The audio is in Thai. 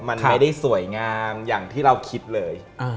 มันไม่ได้สวยงามอย่างที่เราคิดเลย